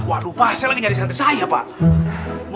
waduh pak saya lagi nyari santai saya pak